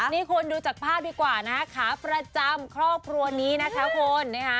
นี่คุณดูจากภาพดีกว่านะคะขาประจำครอบครัวนี้นะคะคุณนะคะ